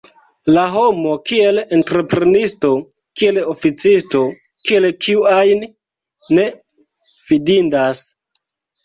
La homo kiel entreprenisto, kiel oficisto, kiel kiu ajn, ne fidindas.